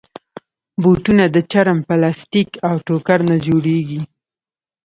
بوټونه د چرم، پلاسټیک، او ټوکر نه جوړېږي.